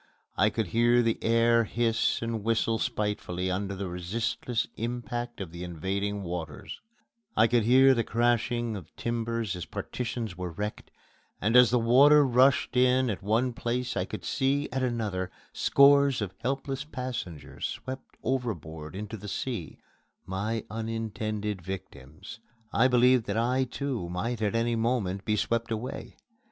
I could hear the air hiss and whistle spitefully under the resistless impact of the invading waters; I could hear the crashing of timbers as partitions were wrecked; and as the water rushed in at one place I could see, at another, scores of helpless passengers swept overboard into the sea my unintended victims. I believed that I, too, might at any moment be swept away.